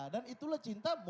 dan itulah cintamu